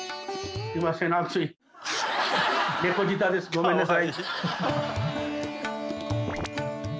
ごめんなさい。